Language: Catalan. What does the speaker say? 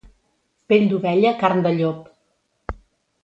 Pell d'ovella, carn de llop.